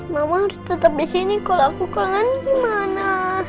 mama harus tetap di sini kalau aku ke rengannya kemana